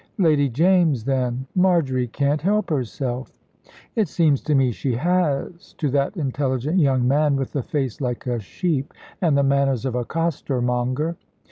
"Lady James, then. Marjory can't help herself." "It seems to me she has to that intelligent young man with the face like a sheep and the manners of a costermonger."